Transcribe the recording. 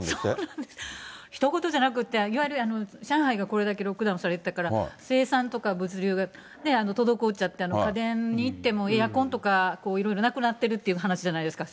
ひと事じゃなくて、上海がこれだけロックダウンされてたから、生産とか物流が滞っちゃって、家電にいっても、エアコンとかいろいろなくなっているっていう話じゃないですか。